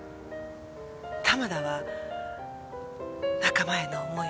玉田は仲間への思いを。